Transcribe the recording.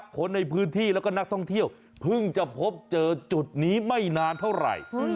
คนในพื้นที่แล้วก็นักท่องเที่ยวเพิ่งจะพบเจอจุดนี้ไม่นานเท่าไหร่